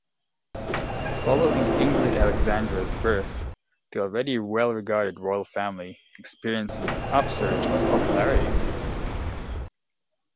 Following Ingrid Alexandra's birth, the already well-regarded royal family experienced an upsurge of popularity.